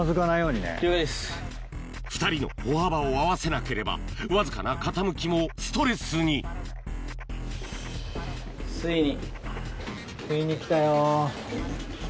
２人の歩幅を合わせなければわずかな傾きもストレスについに。